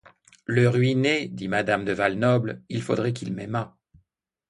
Le ruiner? dit madame du Val-Noble, il faudrait qu’il m’aimât!...